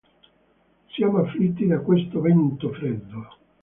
Siamo afflitti da questo vento freddo.